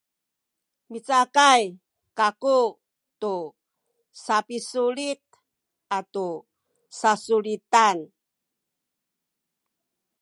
micakay kaku tu sapisulit atu sasulitan